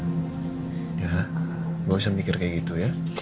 gia gak usah mikir kayak gitu ya